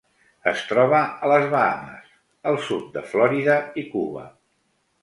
Es troba a les Bahames, el sud de Florida i Cuba.